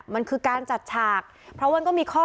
มันคือการจัดฉากเพราะมันก็มีข้อ